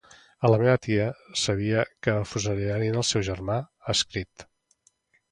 La meva tia sabia que afusellarien el seu germà, ha escrit.